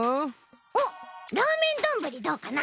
おっラーメンどんぶりどうかな？